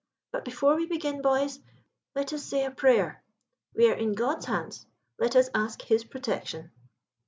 But before we begin, boys, let us say a prayer. We are in God's hands; let us ask His protection."